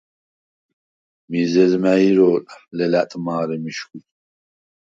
მიზეზ მა̈ჲ ირო̄ლ, ლელა̈ტ მა̄რე მიშგვი!